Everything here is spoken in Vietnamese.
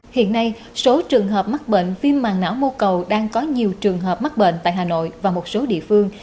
hiện nay số trường hợp mắc bệnh viêm màng não mô cầu đang có nhiều trường hợp mắc bệnh tại hà nội và một số địa phương